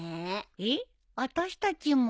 えっあたしたちも？